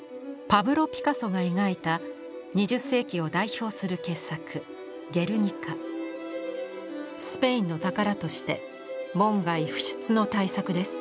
パブロ・ピカソが描いた２０世紀を代表する傑作スペインの宝として門外不出の大作です。